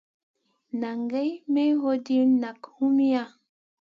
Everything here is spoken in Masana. Nʼagai mey wondi nak humiya?